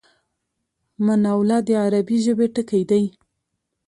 مناوله د عربي ژبی ټکی دﺉ.